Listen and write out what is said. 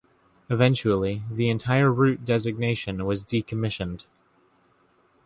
Eventually, the entire route designation was decommissioned.